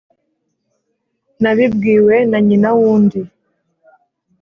Nabibwiwe nanyina wundi